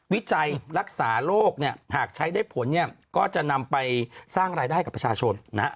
วิจัยรักษาโลกหากใช้ได้ผลก็จะนำไปสร้างรายได้กับประชาชน